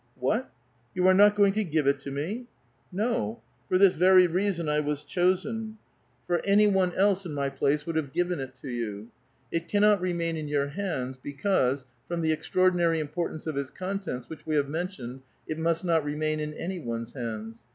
*' What ! You are not going to give it to me ?" No ! For this very reason I was chosen ! for any one 290 A VITAL QUESTION. else in my place would liave given it to you. It cannot reinaiti in 3'our hands, because, from the extraordinary iui; portance of its contents, which we have mentioned, it must not remain in any one's hands.